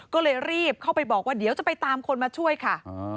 ก็เลยรีบเข้าไปบอกว่าเดี๋ยวจะไปตามคนมาช่วยค่ะ